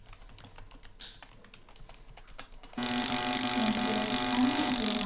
先手３七桂馬。